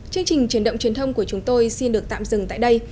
chương trình truyền động truyền thông của chúng tôi xin được tạm dừng tại đây